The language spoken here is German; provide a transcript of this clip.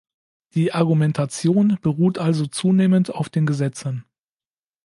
Die Argumentation beruht also zunehmend auf den Gesetzen.